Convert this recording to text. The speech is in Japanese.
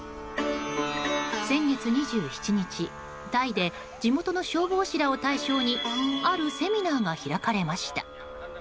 先月２７日、タイで地元の消防士らを対象にあるセミナーが開かれました。